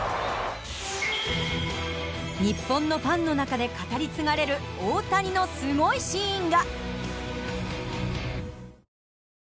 日本のファンの中で語り継がれる大谷のすごいシーンが。